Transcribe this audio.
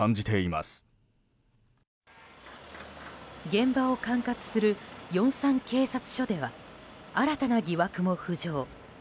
現場を管轄するヨンサン警察署では新たな疑惑も浮上。